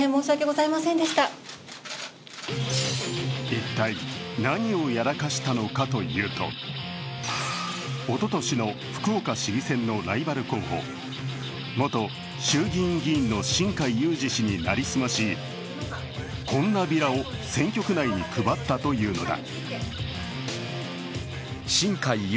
一体、何をやらかしたのかというとおととしの福岡市議選のライバル候補、元衆議院議員の新開裕司氏に成り済ましこんなビラを選挙区内に配ったというのだ。